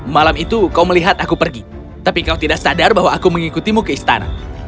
malam itu kau melihat aku pergi tapi kau tidak sadar bahwa aku mengikutimu ke istana